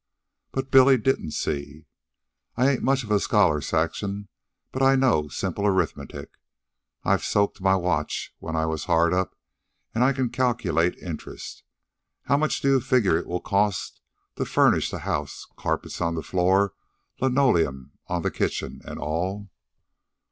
But Billy didn't see. "I ain't much of a scholar, Saxon, but I know simple arithmetic; I've soaked my watch when I was hard up, and I can calculate interest. How much do you figure it will cost to furnish the house, carpets on the floor, linoleum on the kitchen, and all?"